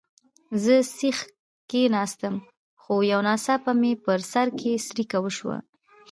زه سیخ کښېناستم، خو یو ناڅاپه مې په سر کې څړیکه وشول.